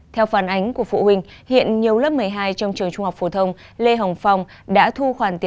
trung học phổ thông sở đã yêu cầu